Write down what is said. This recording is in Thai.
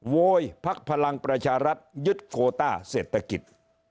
โวยพักพลังประชารัฐยึดโคต้าเศรษฐกิจ